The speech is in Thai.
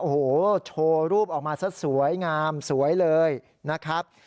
โอ้โหโชว์รูปออกมาซะสวยงามสวยเลยนะครับ